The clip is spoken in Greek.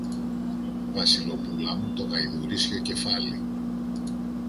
Βασιλοπούλα μου, το γαϊδουρίσιο κεφάλι!